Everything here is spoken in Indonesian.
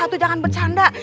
atu jangan bercanda